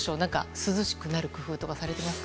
涼しくなる工夫とかされてますか。